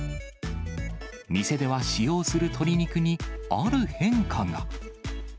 店では使用する鶏肉に、ある変化が。